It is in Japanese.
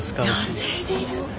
野生でいるの？